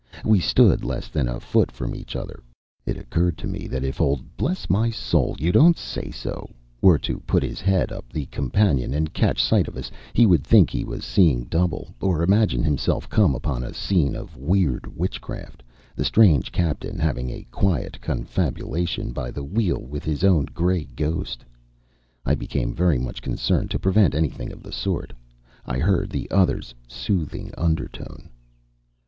We stood less than a foot from each other. It occurred to me that if old "Bless my soul you don't say so" were to put his head up the companion and catch sight of us, he would think he was seeing double, or imagine himself come upon a scene of weird witchcraft; the strange captain having a quiet confabulation by the wheel with his own gray ghost. I became very much concerned to prevent anything of the sort. I heard the other's soothing undertone.